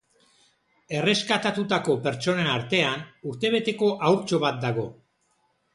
Erreskatatutako pertsonen artean, urtebeteko haurtxo bat dago.